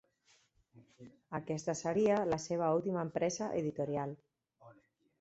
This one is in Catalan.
Aquesta seria la seva última empresa editorial.